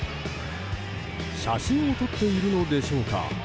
写真を撮っているのでしょうか。